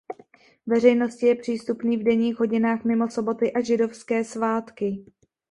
Veřejnosti je přístupný v denních hodinách mimo soboty a židovské svátky.